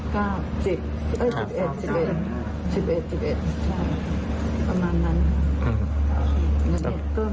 ก้าวสิบเอ้ยสิบเอ็ดสิบเอ็ดสิบเอ็ดใช่ประมาณนั้นอืม